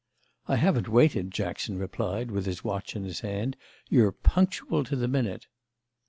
"I haven't waited," Jackson replied with his watch in his hand; "you're punctual to the minute."